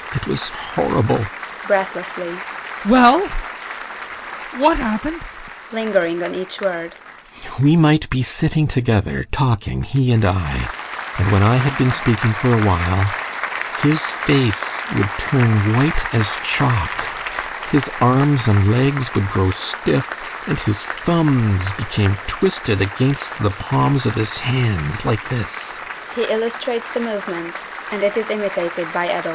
It was horrible! ADOLPH. [Breathlessly] Well, what happened? GUSTAV. [Lingering on each word] We might be sitting together talking, he and I and when I had been speaking for a while his face would turn white as chalk, his arms and legs would grow stiff, and his thumbs became twisted against the palms of his hands like this.